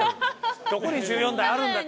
どこに十四代あるんだって。